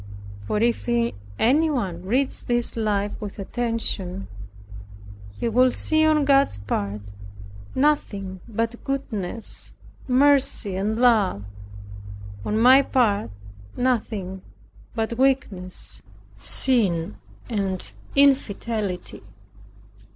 For if anyone reads this life with attention, he will see on God's part, nothing but goodness, mercy, and love; on my part, nothing but weakness, sin and infidelity.